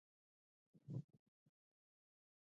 د چيندرو لوبه د نجونو ده.